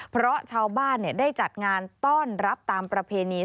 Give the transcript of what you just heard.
เพราะชาวบ้านได้จัดงานต้อนรับตามประเพณี